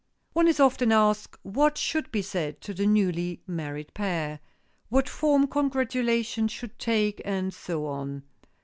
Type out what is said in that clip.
One is often asked what should be said to the newly married pair,—what form congratulations should take, and so on.